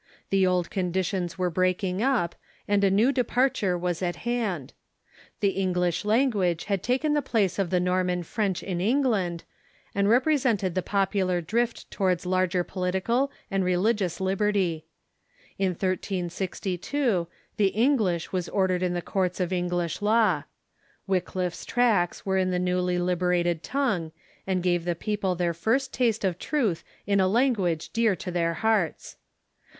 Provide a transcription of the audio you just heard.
The old conditions were Favorable breaking up, and a new departure was at hand. The European English language had taken the place of the Norman Conditions pj.^jijgjj [^ England, and represented the popular drift towards larger political and religious libert^^ In 1362, the English was ordered in the courts of English law. Wj'cliffe's tracts were in the newly liberated tongue, and gave the peo ple their first taste of truth in a language dear to their hearts.